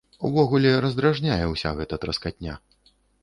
Увогуле, раздражняе ўся гэта траскатня.